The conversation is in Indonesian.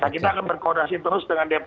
kita akan berkoordinasi terus dengan dpr